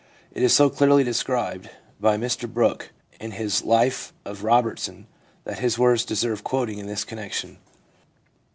It is so clearly described by Mr Brooke in his life of Robertson that his words deserve quoting in this connection.